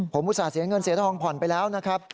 ผมอุตส่าห์เสียเงินเสียทองผ่อนไปแล้วนะครับ